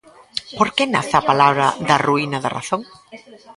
Por que nace a palabra da ruína da razón?